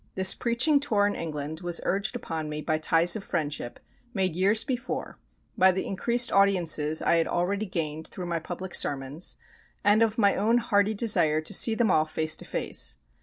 This preaching tour in England was urged upon me by ties of friendship, made years before, by the increased audiences I had already gained through my public sermons, and of my own hearty desire to see them all face to face.